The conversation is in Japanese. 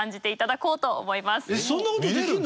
そんなことできるの？